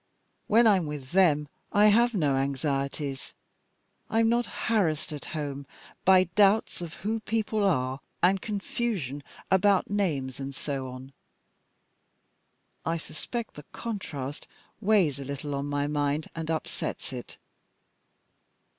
When I am with them I have no anxieties. I am not harassed at home by doubts of who people are, and confusion about names, and so on. I suspect the contrast weighs a little on my mind and upsets it.